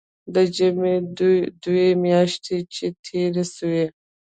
د ژمي دوې مياشتې چې تېرې سوې.